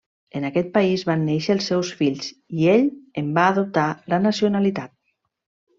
En aquest país van néixer els seus fills i ell en va adoptar la nacionalitat.